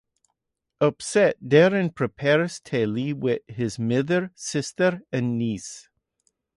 Upset, Darren prepares to leave with his mother, sister and niece.